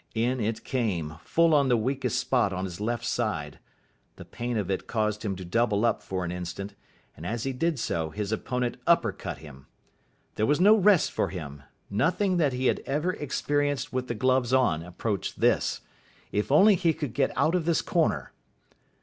In it came, full on the weakest spot on his left side. The pain of it caused him to double up for an instant, and as he did so his opponent upper cut him. There was no rest for him. Nothing that he had ever experienced with the gloves on approached this. If only he could get out of this corner.